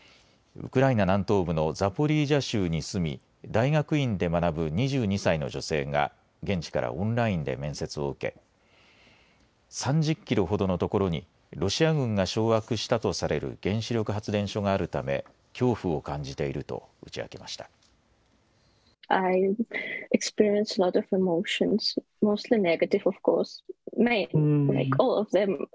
ウクライナ南東部のザポリージャ州に住み大学院で学ぶ２２歳の女性が現地からオンラインで面接を受け３０キロほどの所にロシア軍が掌握したとされる原子力発電所があるため恐怖を感じていると打ち明けました。